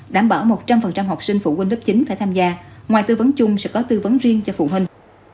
đảm bảo một trăm linh học sinh phụ huynh lớp chín phải tham gia ngoài tư vấn chung sẽ có tư vấn riêng cho phụ huynh